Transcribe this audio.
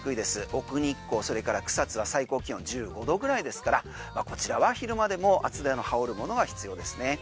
奥日光それから草津は最高気温１５度ぐらいですからこちらは昼間でも厚手の羽織るものが必要ですね。